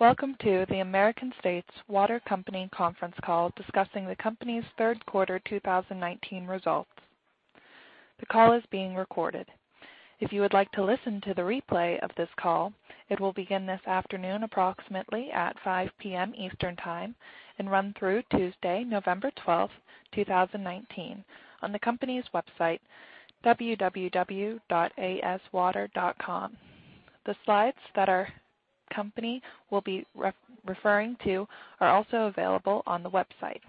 Welcome to the American States Water Company conference call discussing the company's third quarter 2019 results. The call is being recorded. If you would like to listen to the replay of this call, it will begin this afternoon approximately at 5:00 P.M. Eastern Time and run through Tuesday, November 12th, 2019, on the company's website, www.aswater.com. The slides that our company will be referring to are also available on the website.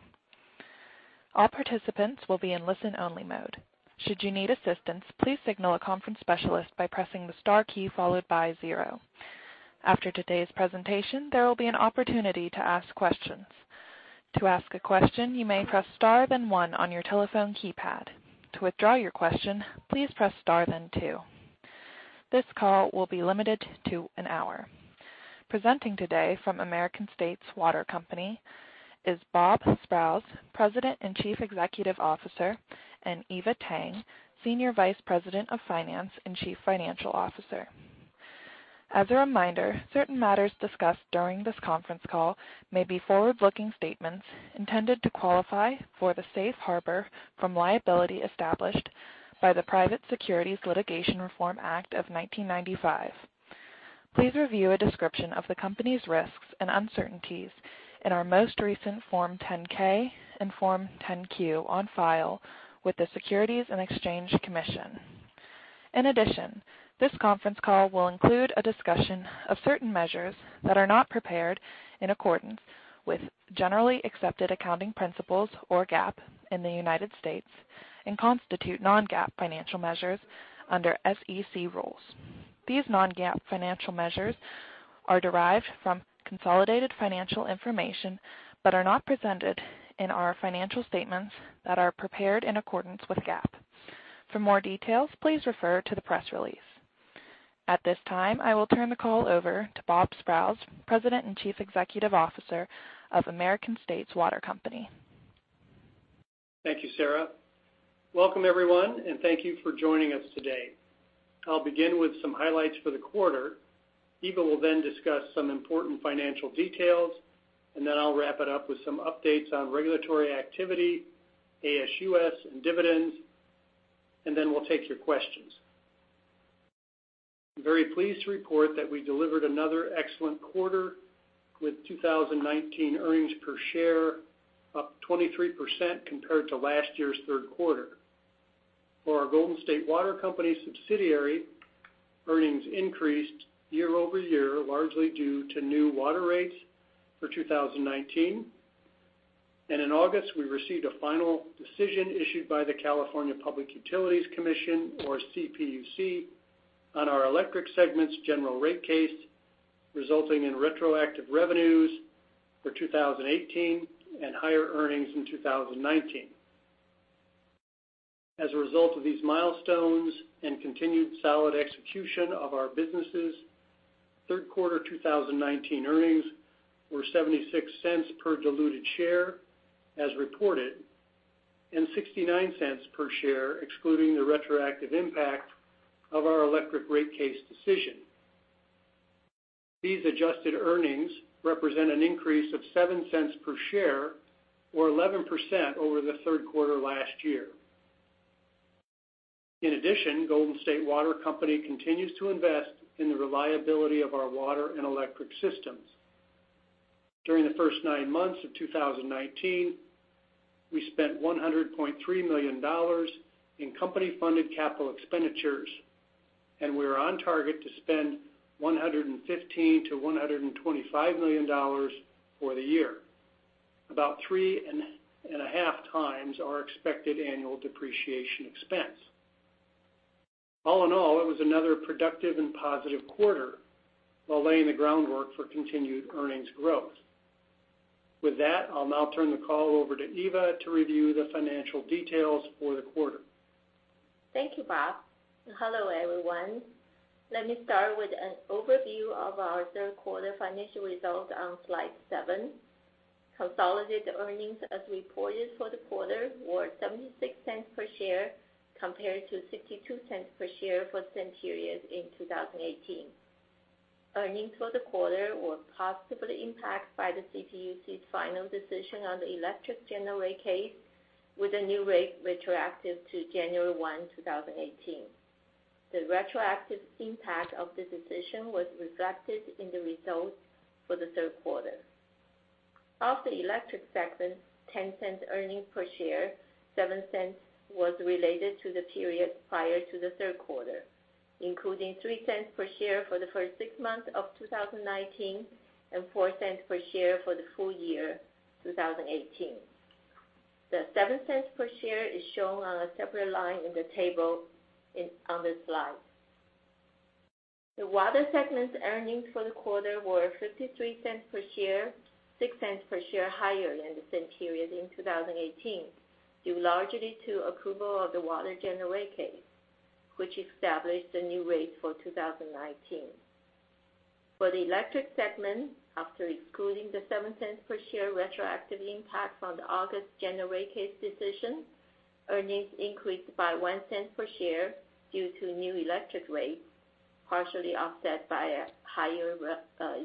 All participants will be in listen only mode. Should you need assistance, please signal a conference specialist by pressing the star key followed by zero. After today's presentation, there will be an opportunity to ask questions. To ask a question, you may press star then one on your telephone keypad. To withdraw your question, please press star then two. This call will be limited to an hour. Presenting today from American States Water Company is Robert Sprowls, President and Chief Executive Officer, and Eva Tang, Senior Vice President of Finance and Chief Financial Officer. As a reminder, certain matters discussed during this conference call may be forward-looking statements intended to qualify for the safe harbor from liability established by the Private Securities Litigation Reform Act of 1995. Please review a description of the company's risks and uncertainties in our most recent Form 10-K and Form 10-Q on file with the Securities and Exchange Commission. This conference call will include a discussion of certain measures that are not prepared in accordance with Generally Accepted Accounting Principles or GAAP in the United States and constitute non-GAAP financial measures under SEC rules. These non-GAAP financial measures are derived from consolidated financial information, but are not presented in our financial statements that are prepared in accordance with GAAP. For more details, please refer to the press release. At this time, I will turn the call over to Robert Sprowls, President and Chief Executive Officer of American States Water Company. Thank you, Sarah. Welcome everyone, and thank you for joining us today. I'll begin with some highlights for the quarter. Eva will then discuss some important financial details, I'll wrap it up with some updates on regulatory activity, ASUS, and dividends, we'll take your questions. I'm very pleased to report that we delivered another excellent quarter with 2019 earnings per share up 23% compared to last year's third quarter. For our Golden State Water Company subsidiary, earnings increased year-over-year, largely due to new water rates for 2019. In August, we received a final decision issued by the California Public Utilities Commission, or CPUC, on our electric segment's general rate case, resulting in retroactive revenues for 2018 and higher earnings in 2019. As a result of these milestones and continued solid execution of our businesses, third quarter 2019 earnings were $0.76 per diluted share as reported, and $0.69 per share excluding the retroactive impact of our electric rate case decision. These adjusted earnings represent an increase of $0.07 per share or 11% over the third quarter last year. Golden State Water Company continues to invest in the reliability of our water and electric systems. During the first nine months of 2019, we spent $100.3 million in company-funded capital expenditures, and we are on target to spend $115 million-$125 million for the year. About three and a half times our expected annual depreciation expense. All in all, it was another productive and positive quarter while laying the groundwork for continued earnings growth. With that, I'll now turn the call over to Eva to review the financial details for the quarter. Thank you, Bob. Hello, everyone. Let me start with an overview of our third quarter financial results on slide seven. Consolidated earnings as reported for the quarter were $0.76 per share, compared to $0.62 per share for the same period in 2018. Earnings for the quarter were positively impacted by the CPUC's final decision on the electric general rate case with a new rate retroactive to January 1, 2018. The retroactive impact of this decision was reflected in the results for the third quarter. Of the electric segment, $0.10 earnings per share, $0.07 was related to the period prior to the third quarter, including $0.03 per share for the first six months of 2019 and $0.04 per share for the full year 2018. The $0.07 per share is shown on a separate line in the table on this slide. The water segment's earnings for the quarter were $0.53 per share, $0.06 per share higher than the same period in 2018, due largely to approval of the water general rate case, which established the new rate for 2019. For the electric segment, after excluding the $0.07 per share retroactive impact from the August general rate case decision. Earnings increased by $0.01 per share due to new electric rates, partially offset by a higher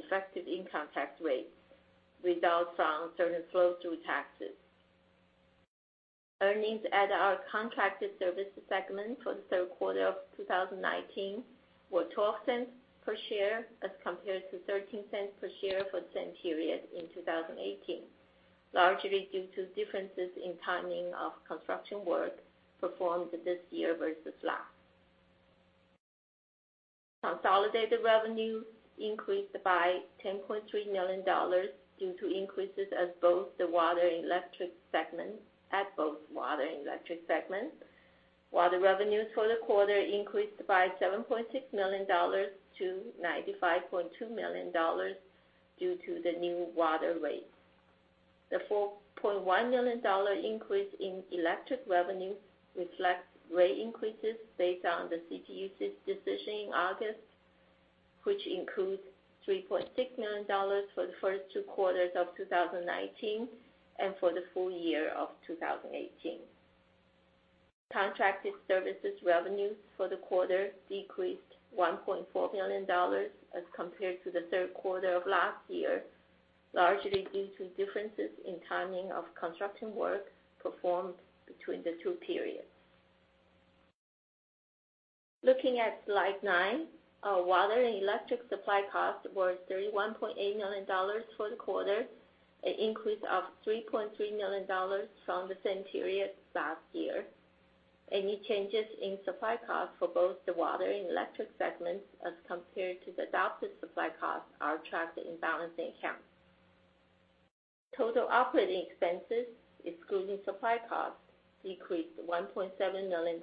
effective income tax rate, results from certain flow-through taxes. Earnings at our contracted services segment for the third quarter of 2019 were $0.12 per share as compared to $0.13 per share for the same period in 2018, largely due to differences in timing of construction work performed this year versus last. Consolidated revenue increased by $10.3 million due to increases at both water and electric segments. Water revenues for the quarter increased by $7.6 million to $95.2 million due to the new water rate. The $4.1 million increase in electric revenue reflects rate increases based on the CPUC's decision in August, which includes $3.6 million for the first two quarters of 2019 and for the full year of 2018. Contracted services revenue for the quarter decreased $1.4 million as compared to the third quarter of last year, largely due to differences in timing of construction work performed between the two periods. Looking at slide nine, our water and electric supply costs were $31.8 million for the quarter, an increase of $3.3 million from the same period last year. Any changes in supply costs for both the water and electric segments as compared to the adopted supply costs are tracked in balancing accounts. Total operating expenses, excluding supply costs, decreased $1.7 million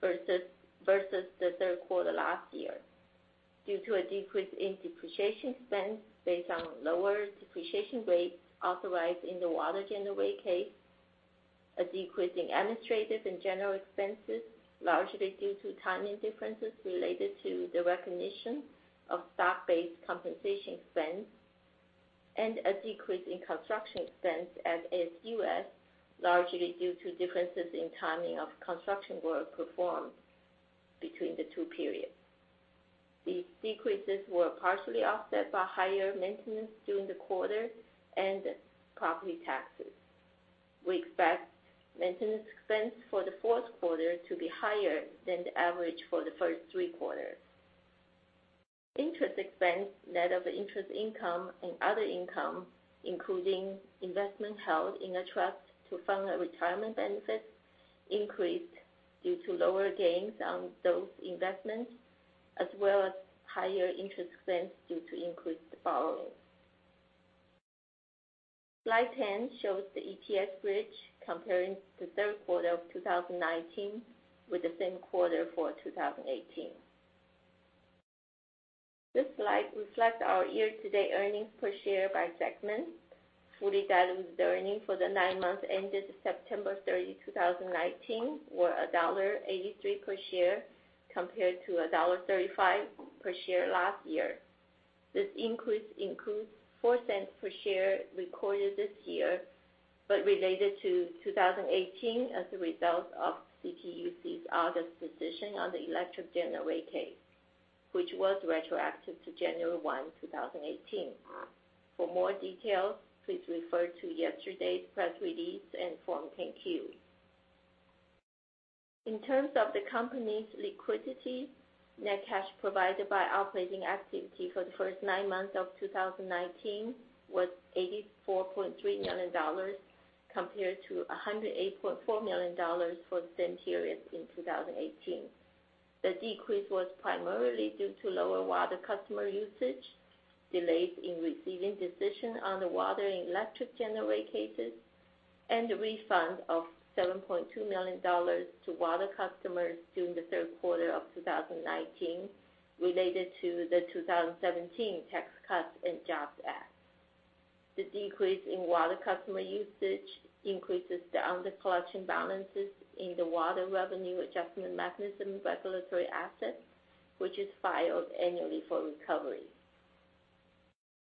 versus the third quarter last year due to a decrease in depreciation expense based on lower depreciation rates authorized in the water general rate case, a decrease in administrative and general expenses, largely due to timing differences related to the recognition of stock-based compensation expense, and a decrease in construction expense at ASUS, largely due to differences in timing of construction work performed between the two periods. These decreases were partially offset by higher maintenance during the quarter and property taxes. We expect maintenance expense for the fourth quarter to be higher than the average for the first three quarters. Interest expense, net of interest income and other income, including investment held in a trust to fund our retirement benefits, increased due to lower gains on those investments, as well as higher interest expense due to increased borrowings. Slide 10 shows the EPS bridge comparing the third quarter of 2019 with the same quarter for 2018. This slide reflects our year-to-date earnings per share by segment. Fully diluted earnings for the nine months ended September 30, 2019, were $1.83 per share compared to $1.35 per share last year. This increase includes $0.04 per share recorded this year, but related to 2018 as a result of CPUC's August decision on the electric general rate case, which was retroactive to January 1, 2018. For more details, please refer to yesterday's press release and Form 10-Q. In terms of the company's liquidity, net cash provided by operating activity for the first nine months of 2019 was $84.3 million, compared to $108.4 million for the same period in 2018. The decrease was primarily due to lower water customer usage, delays in receiving decision on the water and electric general rate cases, and a refund of $7.2 million to water customers during the third quarter of 2019 related to the 2017 Tax Cuts and Jobs Act. The decrease in water customer usage increases down the collection balances in the Water Revenue Adjustment Mechanism regulatory asset, which is filed annually for recovery.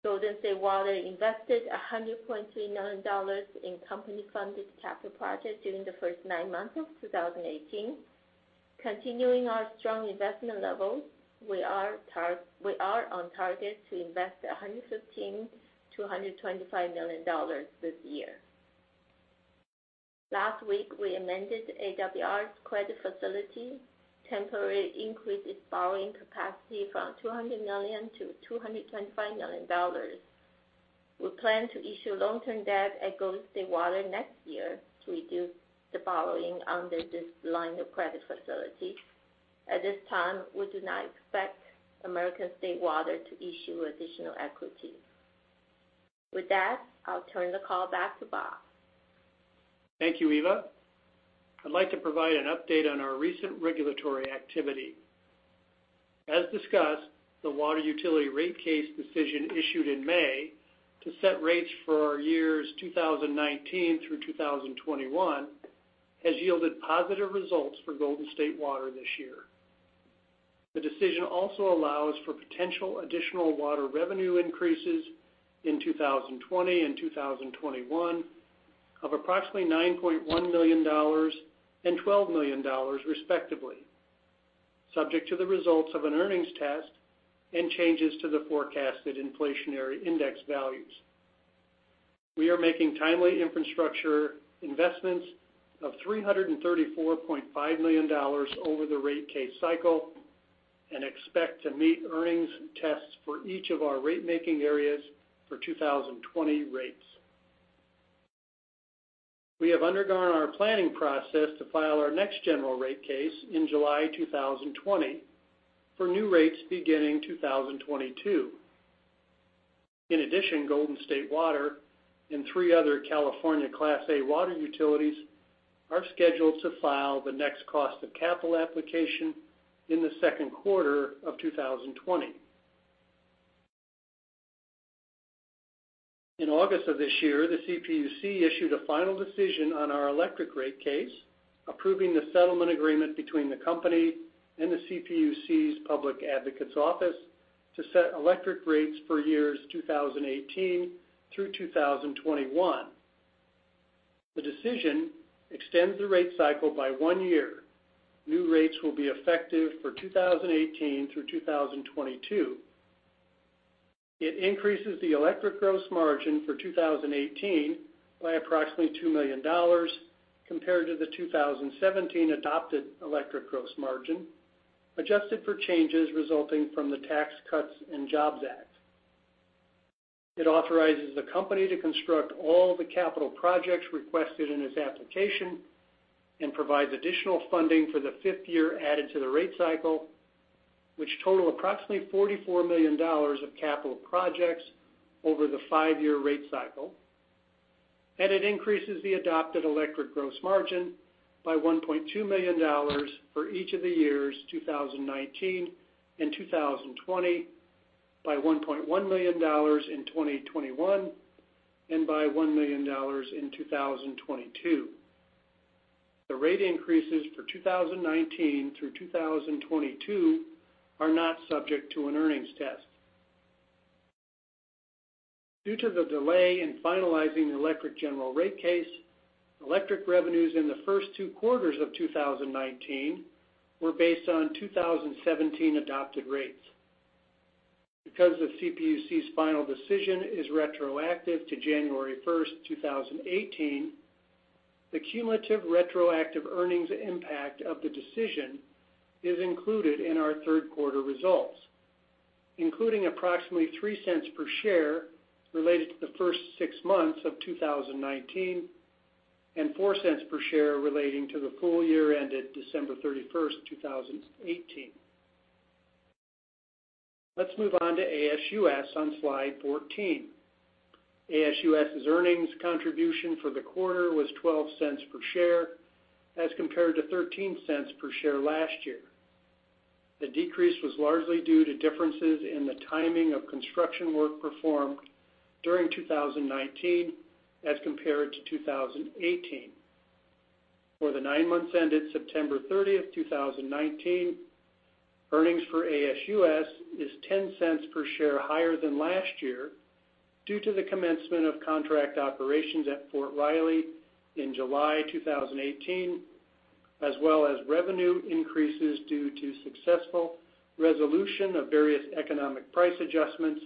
Golden State Water invested $100.3 million in company-funded capital projects during the first nine months of 2018. Continuing our strong investment levels, we are on target to invest $115 million-$125 million this year. Last week, we amended AWR's credit facility, temporarily increased its borrowing capacity from $200 million-$225 million. We plan to issue long-term debt at Golden State Water next year to reduce the borrowing under this line of credit facility. At this time, we do not expect American States Water to issue additional equity. With that, I'll turn the call back to Bob. Thank you, Eva. I'd like to provide an update on our recent regulatory activity. As discussed, the water utility rate case decision issued in May to set rates for our years 2019 through 2021 has yielded positive results for Golden State Water this year. The decision also allows for potential additional water revenue increases in 2020 and 2021 of approximately $9.1 million and $12 million respectively, subject to the results of an earnings test and changes to the forecasted inflationary index values. We are making timely infrastructure investments of $334.5 million over the rate case cycle and expect to meet earnings tests for each of our rate-making areas for 2020 rates. We have undergone our planning process to file our next general rate case in July 2020 for new rates beginning 2022. In addition, Golden State Water and three other California Class A water utilities are scheduled to file the next cost of capital application in the second quarter of 2020. In August of this year, the CPUC issued a final decision on our electric rate case, approving the settlement agreement between the company and the CPUC's Public Advocates Office to set electric rates for years 2018 through 2021. The decision extends the rate cycle by one year. New rates will be effective for 2018 through 2022. It increases the electric gross margin for 2018 by approximately $2 million compared to the 2017 adopted electric gross margin, adjusted for changes resulting from the Tax Cuts and Jobs Act. It authorizes the company to construct all the capital projects requested in its application and provides additional funding for the fifth year added to the rate cycle, which total approximately $44 million of capital projects over the five-year rate cycle. It increases the adopted electric gross margin by $1.2 million for each of the years 2019 and 2020, by $1.1 million in 2021, and by $1 million in 2022. The rate increases for 2019 through 2022 are not subject to an earnings test. Due to the delay in finalizing the electric general rate case, electric revenues in the first two quarters of 2019 were based on 2017 adopted rates. Because the CPUC's final decision is retroactive to January 1st, 2018, the cumulative retroactive earnings impact of the decision is included in our third quarter results, including approximately $0.03 per share related to the first six months of 2019, and $0.04 per share relating to the full year ended December 31st, 2018. Let's move on to ASUS on slide 14. ASUS's earnings contribution for the quarter was $0.12 per share as compared to $0.13 per share last year. The decrease was largely due to differences in the timing of construction work performed during 2019 as compared to 2018. For the nine months ended September 30th, 2019, earnings for ASUS is $0.10 per share higher than last year due to the commencement of contract operations at Fort Riley in July 2018, as well as revenue increases due to successful resolution of various economic price adjustments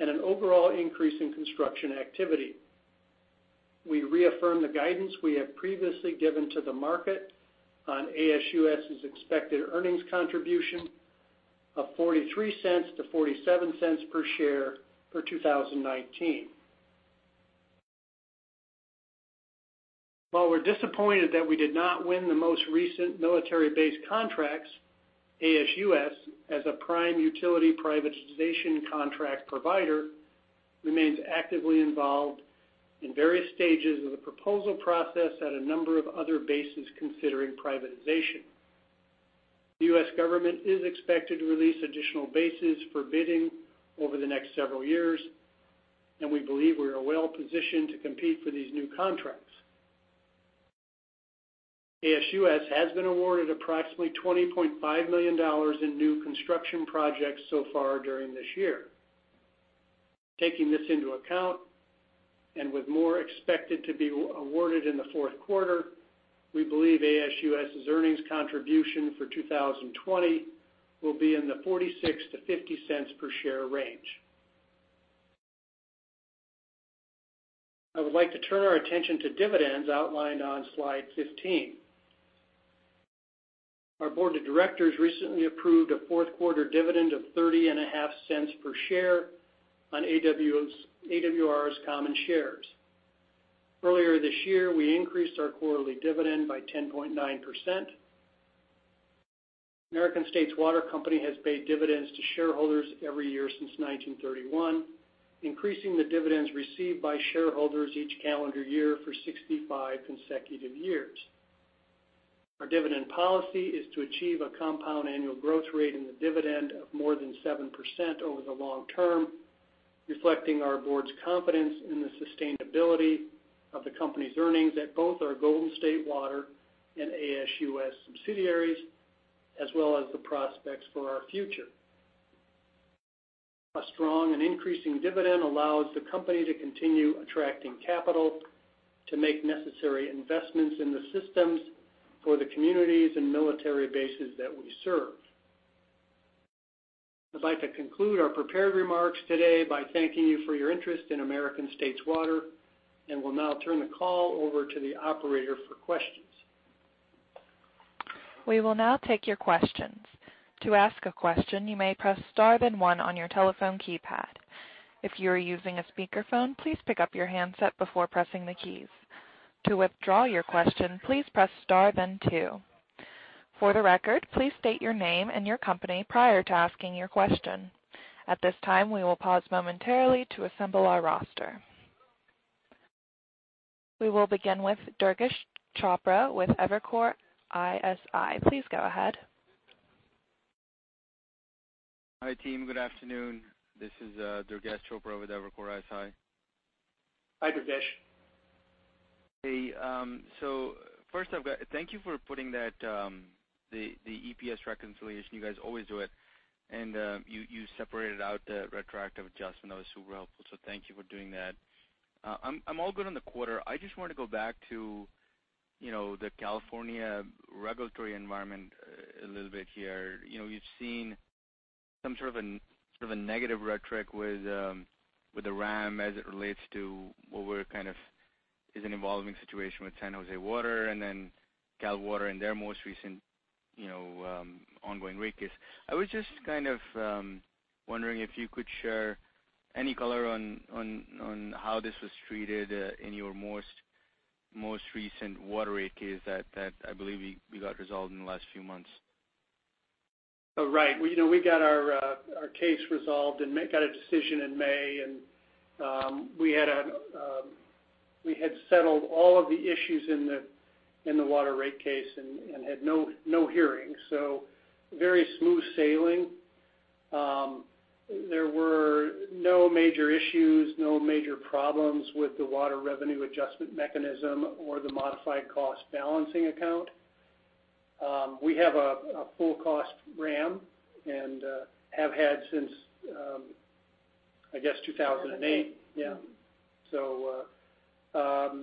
and an overall increase in construction activity. We reaffirm the guidance we have previously given to the market on ASUS's expected earnings contribution of $0.43-$0.47 per share for 2019. While we're disappointed that we did not win the most recent military base contracts, ASUS, as a prime utility privatization contract provider, remains actively involved in various stages of the proposal process at a number of other bases considering privatization. The U.S. government is expected to release additional bases for bidding over the next several years, and we believe we are well positioned to compete for these new contracts. ASUS has been awarded approximately $20.5 million in new construction projects so far during this year. Taking this into account, and with more expected to be awarded in the fourth quarter, we believe ASUS's earnings contribution for 2020 will be in the $0.46-$0.50 per share range. I would like to turn our attention to dividends outlined on slide 15. Our board of directors recently approved a fourth-quarter dividend of $0.305 per share on AWR's common shares. Earlier this year, we increased our quarterly dividend by 10.9%. American States Water Company has paid dividends to shareholders every year since 1931, increasing the dividends received by shareholders each calendar year for 65 consecutive years. Our dividend policy is to achieve a compound annual growth rate in the dividend of more than 7% over the long term. Reflecting our board's confidence in the sustainability of the company's earnings at both our Golden State Water and ASUS subsidiaries, as well as the prospects for our future. A strong and increasing dividend allows the company to continue attracting capital to make necessary investments in the systems for the communities and military bases that we serve. I'd like to conclude our prepared remarks today by thanking you for your interest in American States Water, and will now turn the call over to the operator for questions. We will now take your questions. To ask a question, you may press star then one on your telephone keypad. If you're using a speakerphone, please pick up your handset before pressing the keys. To withdraw your question, please press star then two. For the record, please state your name and your company prior to asking your question. At this time, we will pause momentarily to assemble our roster. We will begin with Durgesh Chopra with Evercore ISI. Please go ahead. Hi, team. Good afternoon. This is Durgesh Chopra with Evercore ISI. Hi, Durgesh. Hey. First off, thank you for putting the EPS reconciliation. You guys always do it. You separated out the retroactive adjustment. That was super helpful, so thank you for doing that. I'm all good on the quarter. I just wanted to go back to the California regulatory environment a little bit here. You've seen some sort of a negative rhetoric with the WRAM as it relates to what is an evolving situation with San Jose Water and then Cal Water and their most recent ongoing rate case. I was just wondering if you could share any color on how this was treated in your most recent water rate case that I believe you got resolved in the last few months. Right. We got our case resolved and got a decision in May, and we had settled all of the issues in the water rate case and had no hearing, so very smooth sailing. There were no major issues, no major problems with the Water Revenue Adjustment Mechanism or the Modified Cost Balancing Account. We have a full cost WRAM and have had since, I guess, 2008. 2008.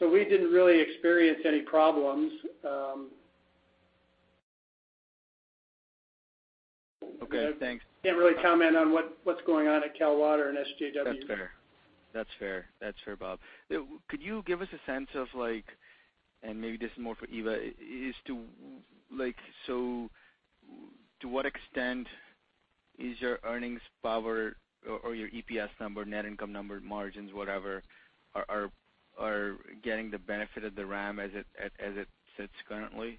Yeah. We didn't really experience any problems. Okay, thanks. Can't really comment on what's going on at Cal Water and SJW. That's fair, Bob. Could you give us a sense of, and maybe this is more for Eva, to what extent is your earnings power or your EPS number, net income number, margins, whatever, are getting the benefit of the WRAM as it sits currently?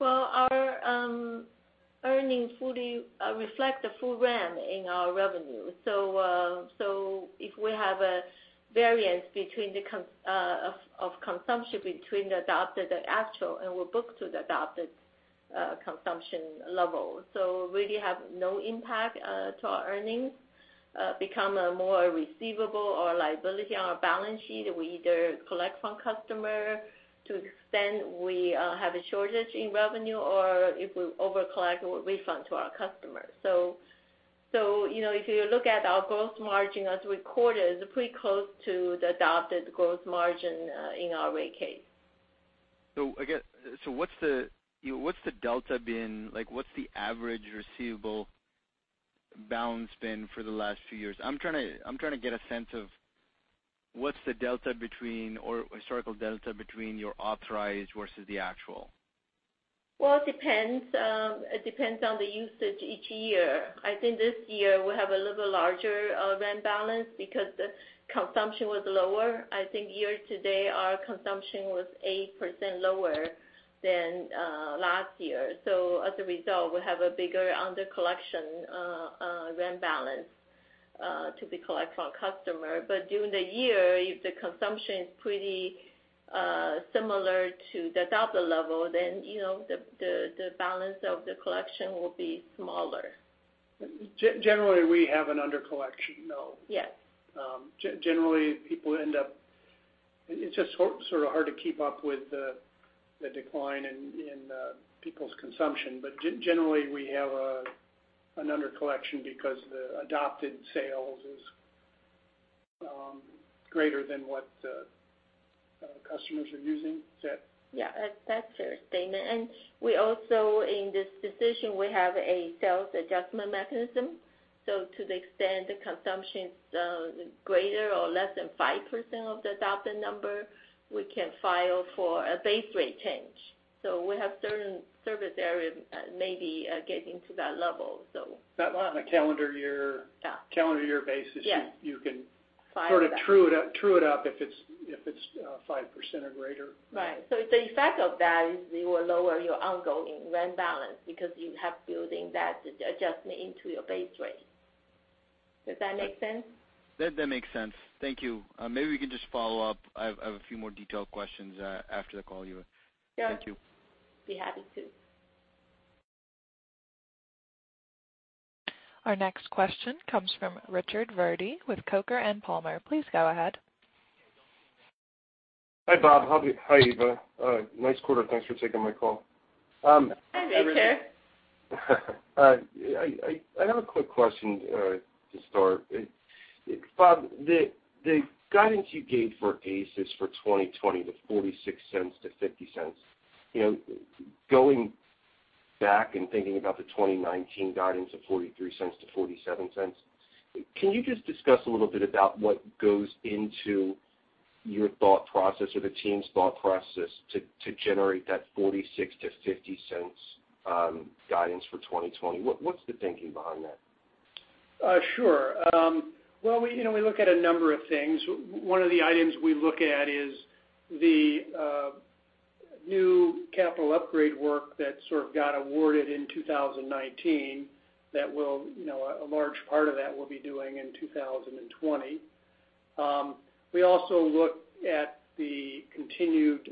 Our earnings fully reflect the full WRAM in our revenue. If we have a variance of consumption between the adopted and actual, we'll book to the adopted consumption level. It really has no impact to our earnings. It becomes a more receivable or a liability on our balance sheet. We either collect from customer to the extent we have a shortage in revenue, or if we over-collect, a refund to our customers. If you look at our gross margin as recorded, it's pretty close to the adopted gross margin in our rate case. What's the delta been? What's the average receivable balance been for the last few years? I'm trying to get a sense of what's the delta between, or historical delta between your authorized versus the actual. Well, it depends. It depends on the usage each year. I think this year we have a little larger WRAM balance because the consumption was lower. I think year-to-date, our consumption was 8% lower than last year. As a result, we have a bigger undercollection WRAM balance to be collect from customer. During the year, if the consumption is pretty similar to the adopted level, the balance of the collection will be smaller. Generally, we have an under collection, though. Yes. Generally, it's just sort of hard to keep up with the decline in people's consumption. Generally, we have an under collection because the adopted sales is greater than what the customers are using. Is that? Yeah. That's a fair statement. We also, in this decision, we have a sales adjustment mechanism. To the extent the consumption is greater or less than 5% of the adopted number, we can file for a base rate change. We have certain service areas maybe getting to that level. On a calendar year- Yeah basis- Yeah you can- File that. sort of true it up if it's 5% or greater. Right. The effect of that is you will lower your ongoing WRAM balance because you have building that adjustment into your base rate. Does that make sense? That makes sense. Thank you. Maybe we can just follow up. I have a few more detailed questions after the call, Eva. Yeah. Thank you. Be happy to. Our next question comes from Richard Verdi with Coker & Palmer. Please go ahead. Hi, Bob. Hi, Eva. Nice quarter. Thanks for taking my call. Hi, Richard. I have a quick question to start. Bob, the guidance you gave for ASUS for 2020, the $0.46-$0.50. Going back and thinking about the 2019 guidance of $0.43-$0.47, can you just discuss a little bit about what goes into your thought process or the team's thought process to generate that $0.46-$0.50 guidance for 2020? What's the thinking behind that? Sure. Well, we look at a number of things. One of the items we look at is the new capital upgrade work that sort of got awarded in 2019, that a large part of that we'll be doing in 2020. We also look at the continued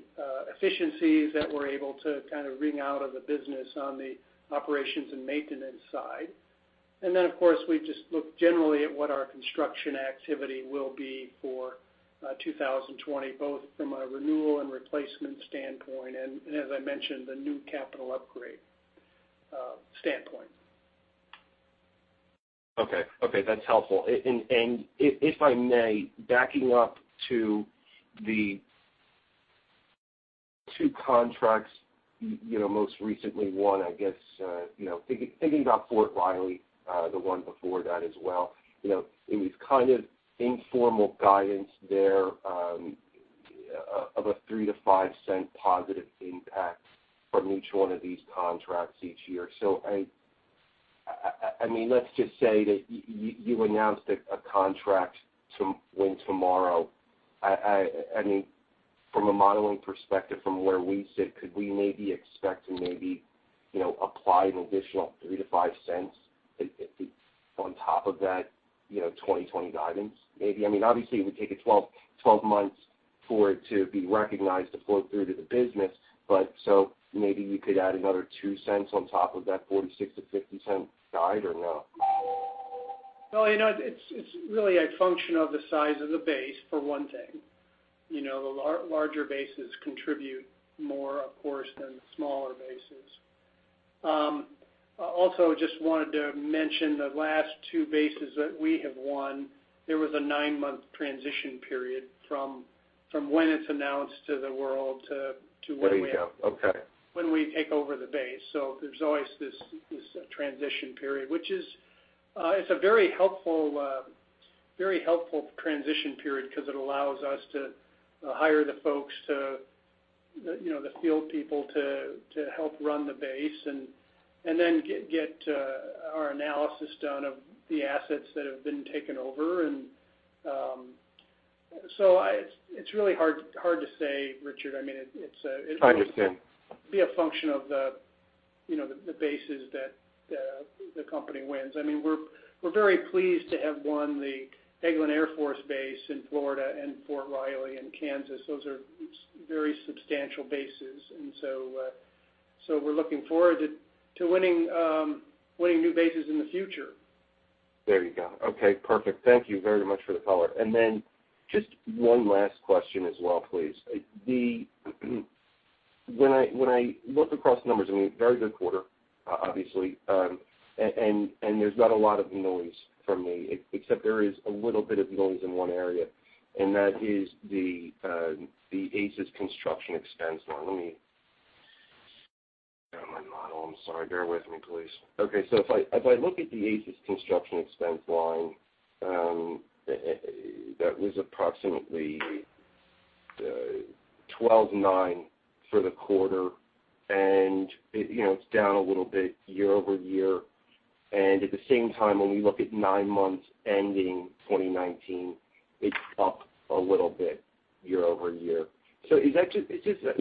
efficiencies that we're able to kind of wring out of the business on the operations and maintenance side. Of course, we just look generally at what our construction activity will be for 2020, both from a renewal and replacement standpoint and as I mentioned, the new capital upgrade standpoint. Okay. That's helpful. If I may, backing up to the two contracts, most recently won, I guess, thinking about Fort Riley, the one before that as well. It was kind of informal guidance there of a $0.3 to $0.5 positive impact from each one of these contracts each year. Let's just say that you announced a contract to win tomorrow. From a modeling perspective, from where we sit, could we maybe expect to maybe apply an additional $0.3 to $0.5 on top of that 2020 guidance? Maybe, obviously it would take it 12 months for it to be recognized to flow through to the business. Maybe we could add another $0.2 on top of that $0.46 to $0.50 guide or no? Well, it's really a function of the size of the base for one thing. The larger bases contribute more, of course, than smaller bases. Also, just wanted to mention the last two bases that we have won, there was a nine-month transition period from when it's announced to the world. There you go. Okay. when we take over the base. There's always this transition period, which is a very helpful transition period because it allows us to hire the folks, the field people to help run the base and then get our analysis done of the assets that have been taken over and so it's really hard to say, Richard. I understand. be a function of the bases that the company wins. We're very pleased to have won the Eglin Air Force Base in Florida and Fort Riley in Kansas. Those are very substantial bases. We're looking forward to winning new bases in the future. There you go. Okay, perfect. Thank you very much for the color. Just one last question as well, please. When I look across the numbers, very good quarter, obviously. There's not a lot of noise for me except there is a little bit of noise in one area, and that is the ASUS construction expense line. Let me get my model. I'm sorry. Bear with me, please. Okay. If I look at the ASUS construction expense line, that was approximately $12.9 for the quarter, and it's down a little bit year-over-year. At the same time, when we look at nine months ending 2019, it's up a little bit year-over-year.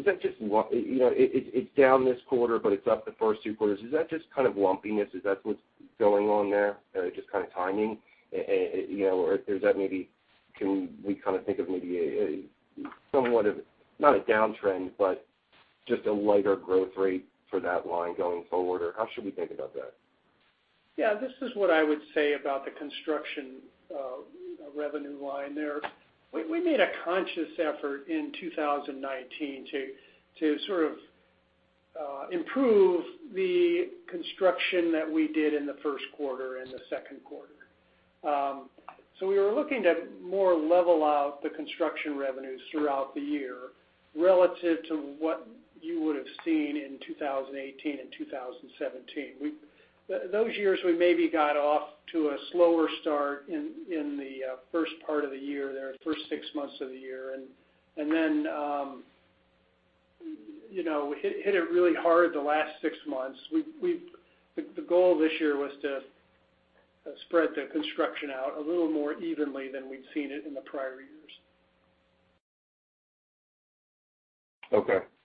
It's down this quarter, but it's up the first two quarters. Is that just kind of lumpiness? Is that what's going on there? Just kind of timing, or is that maybe can we kind of think of maybe a somewhat of not a downtrend, but just a lighter growth rate for that line going forward, or how should we think about that? This is what I would say about the construction revenue line there. We made a conscious effort in 2019 to sort of improve the construction that we did in the first quarter and the second quarter. We were looking to more level out the construction revenues throughout the year relative to what you would have seen in 2018 and 2017. Those years, we maybe got off to a slower start in the first part of the year there, first six months of the year. Hit it really hard the last six months. The goal this year was to spread the construction out a little more evenly than we've seen it in the prior years.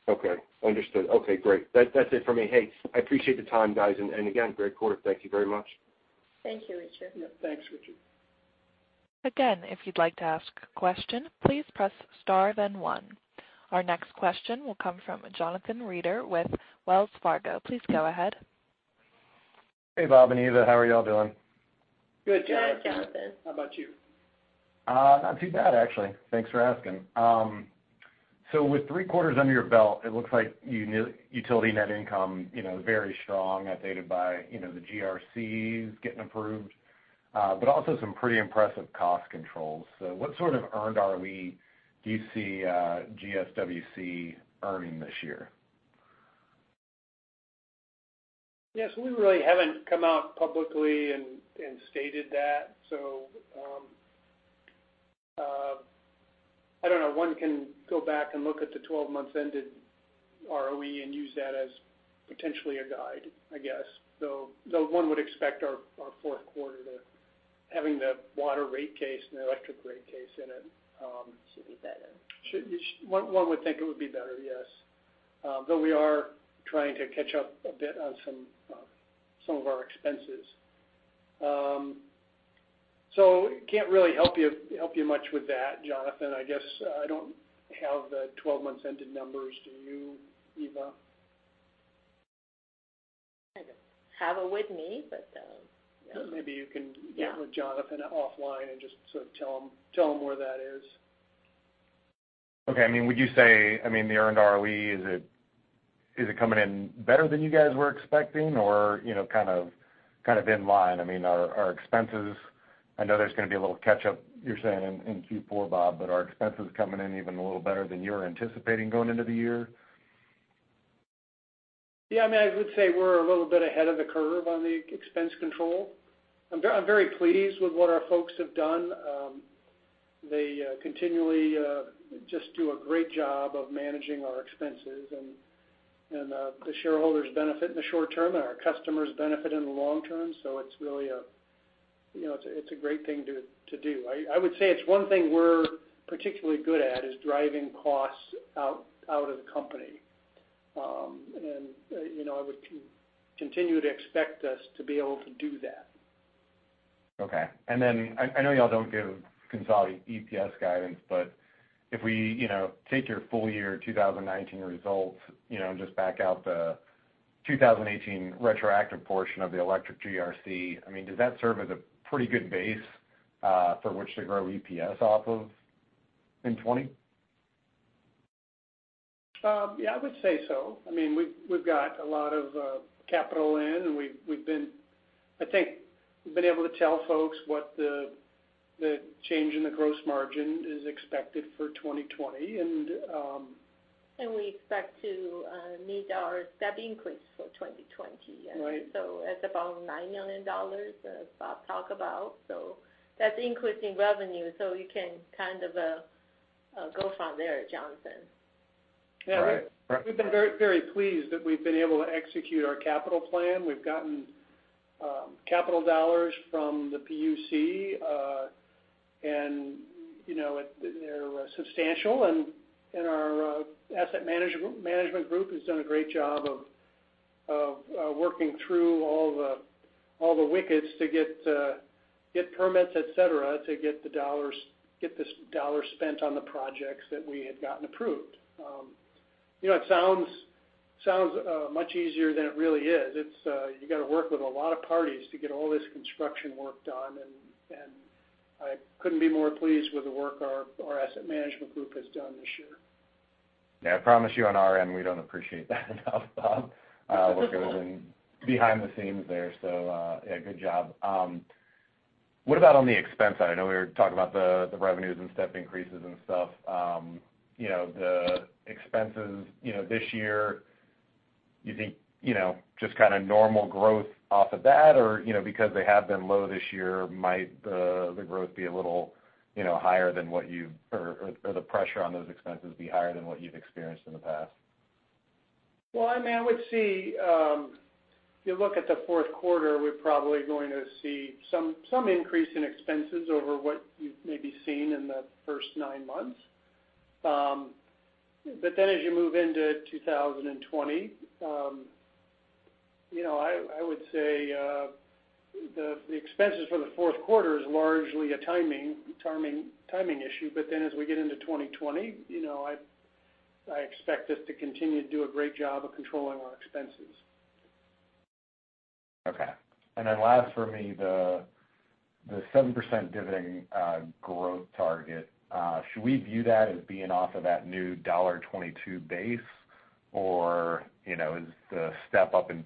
Okay. Understood. Okay, great. That's it for me. Hey, I appreciate the time, guys. Again, great quarter. Thank you very much. Thank you, Richard. Thanks, Richard. Again, if you'd like to ask a question, please press star then one. Our next question will come from Jonathan Reeder with Wells Fargo. Please go ahead. Hey, Bob and Eva. How are you all doing? Good, Jonathan. Good, Jonathan. How about you? Not too bad, actually. Thanks for asking. With three quarters under your belt, it looks like utility net income very strong, updated by the GRCs getting approved, but also some pretty impressive cost controls. What sort of earned ROE do you see GSWC earning this year? Yes, we really haven't come out publicly and stated that. I don't know. One can go back and look at the 12 months ended ROE and use that as potentially a guide, I guess, though one would expect our fourth quarter, having the water rate case and the electric rate case in it. Should be better. one would think it would be better, yes. We are trying to catch up a bit on some of our expenses. Can't really help you much with that, Jonathan. I guess I don't have the 12 months ended numbers. Do you, Eva? I don't have it with me, but yeah. Maybe you can get with Jonathan offline and just sort of tell him where that is. Okay. Would you say the earned ROE, is it coming in better than you guys were expecting or kind of in line? Are expenses, I know there's going to be a little catch-up, you're saying in Q4, Bob, but are expenses coming in even a little better than you were anticipating going into the year? Yeah, I would say we're a little bit ahead of the curve on the expense control. I'm very pleased with what our folks have done. They continually just do a great job of managing our expenses, and the shareholders benefit in the short term, and our customers benefit in the long term. It's really a great thing to do. I would say it's one thing we're particularly good at is driving costs out of the company. I would continue to expect us to be able to do that. Okay. I know you all don't give consolidated EPS guidance, but if we take your full year 2019 results and just back out the 2018 retroactive portion of the electric GRC, does that serve as a pretty good base for which to grow EPS off of in 2020? Yeah, I would say so. We've got a lot of capital in, and we've been able to tell folks what the change in the gross margin is expected for 2020. We expect to meet our step increase for 2020. Right. That's about $9 million, as Bob talked about. That's increasing revenue, so you can kind of go from there, Jonathan. Right. We've been very pleased that we've been able to execute our capital plan. We've gotten capital dollars from the CPUC, they're substantial. Our asset management group has done a great job of working through all the wickets to get permits, et cetera, to get this dollar spent on the projects that we had gotten approved. It sounds much easier than it really is. You got to work with a lot of parties to get all this construction work done, and I couldn't be more pleased with the work our asset management group has done this year. I promise you on our end, we don't appreciate that enough, Bob, what goes in behind the scenes there. Good job. What about on the expense side? I know we were talking about the revenues and step increases and stuff. The expenses this year, you think just kind of normal growth off of that, or because they have been low this year, might the growth be a little higher than what you've or the pressure on those expenses be higher than what you've experienced in the past? I would see, if you look at the fourth quarter, we're probably going to see some increase in expenses over what you've maybe seen in the first nine months. As you move into 2020, I would say the expenses for the fourth quarter is largely a timing issue. As we get into 2020, I expect us to continue to do a great job of controlling our expenses. Okay. Last for me, the 7% dividend growth target, should we view that as being off of that new $1.22 base? Or is the step-up in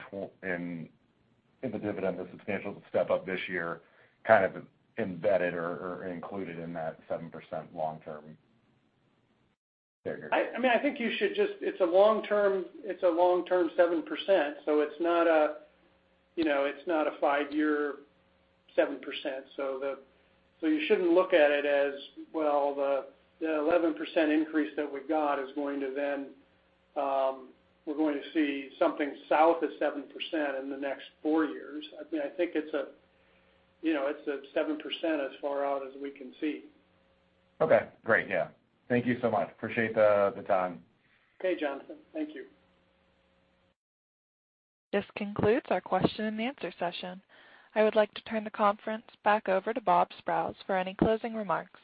the dividend, the substantial step-up this year kind of embedded or included in that 7% long term figure? I think you should, it's a long-term 7%, so it's not a 5-year 7%. You shouldn't look at it as, well, the 11% increase that we got, we're going to see something south of 7% in the next 4 years. I think it's a 7% as far out as we can see. Okay. Great, yeah. Thank you so much. Appreciate the time. Okay, Jonathan. Thank you. This concludes our question and answer session. I would like to turn the conference back over to Robert Sprowls for any closing remarks.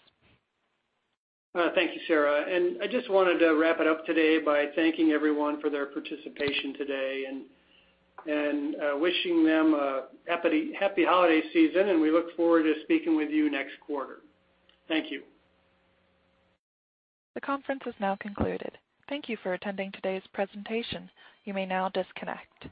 Thank you, Sarah. I just wanted to wrap it up today by thanking everyone for their participation today and wishing them a happy holiday season, and we look forward to speaking with you next quarter. Thank you. The conference has now concluded. Thank you for attending today's presentation. You may now disconnect.